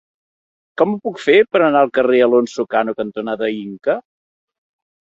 Com ho puc fer per anar al carrer Alonso Cano cantonada Inca?